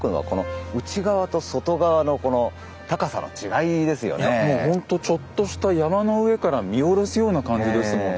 いやもうほんとちょっとした山の上から見下ろすような感じですもんね。